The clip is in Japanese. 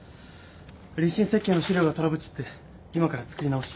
立進設計の資料がトラブっちゃって今から作り直し。